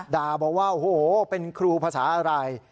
ด่าบอกว่าโอ้โหเป็นครูภาษาอะไร